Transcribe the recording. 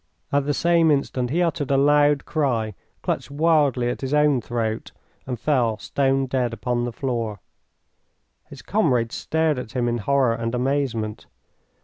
At the same instant he uttered a loud cry, clutched wildly at his own throat, and fell stone dead upon the floor. His comrade stared at him in horror and amazement.